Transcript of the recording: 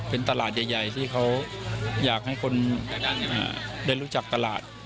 เป็นตลาดใหญ่ที่เขาอยากให้คนได้รู้จักตลาด